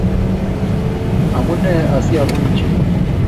Amunee asi abun chu?